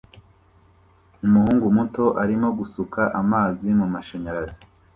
Umuhungu muto arimo gusuka amazi mumashanyarazi